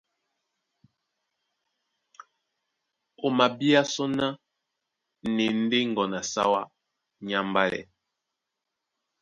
O mabíá sɔ́ ná na e ndé ŋgɔn a sáwá nyá mbálɛ.